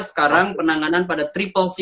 sekarang penanganan pada triple